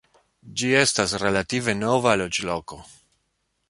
Ĝi estas relative nova loĝloko.